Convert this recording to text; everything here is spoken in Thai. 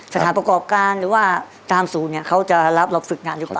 สถานประกอบการหรือว่าตามศูนย์เนี่ยเขาจะรับเราฝึกงานหรือเปล่า